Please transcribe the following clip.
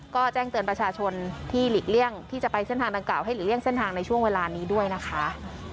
ก็แจ้งเตือนประชาชนที่หลีกเลี่ยงที่จะไปเส้นทางดังกล่าให้หลีกเลี่ยงเส้นทางในช่วงเวลานี้ด้วยนะคะ